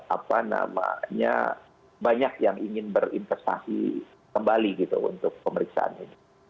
apa namanya banyak yang ingin berinvestasi kembali gitu untuk pemeriksaan ini